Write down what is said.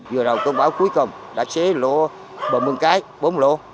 vừa đầu công báo cuối cùng đã xế lũ bờ mương cái bốn lũ